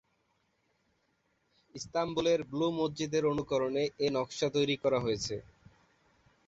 ইস্তাম্বুলের blue মসজিদের অনুকরণে এর নকশা তৈরি করা হয়েছে।